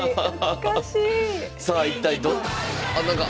さあ一体ど。